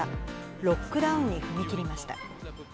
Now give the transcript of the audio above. ロックダウンに踏み切りました。